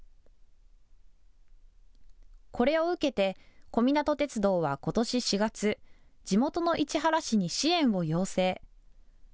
これを受けて小湊鐵道はことし４月、地元の市原市に支援を要請。